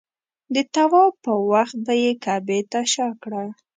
د طواف په وخت به یې کعبې ته شا کړه.